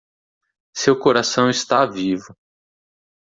Seu coração está vivo.